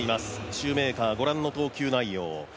シューメーカー、御覧の投球内容。